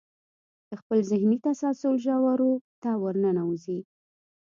د خپل ذهني تسلسل ژورو ته ورننوځئ.